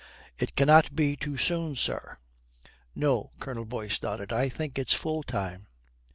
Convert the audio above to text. "It cannot be too soon, sir." "No." Colonel Boyce nodded. "I think it's full time."